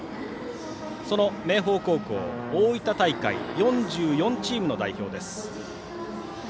その明豊高校大分大会、４４チームの代表です。